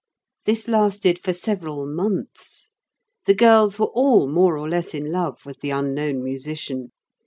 This lasted for several months. The girls were all more or less in love with the unknown musician.